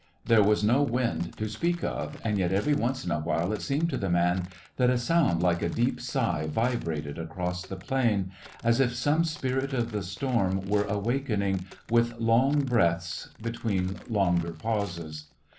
There was no wind to speak of, and yet every once in a while it seemed to the man that a sound like a deep sigh vibrated across the plain, as if some spirit of the storm were The West Was Young awakening with long breaths between longer pauses.